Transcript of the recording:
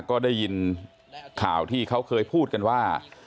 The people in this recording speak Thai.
ก็ได้ยินข่าวที่เขาเคยพูดกันว่า